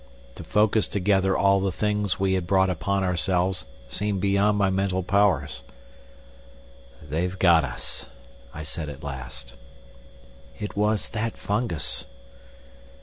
To focus together all the things we had brought upon ourselves seemed beyond my mental powers. "They've got us," I said at last. "It was that fungus."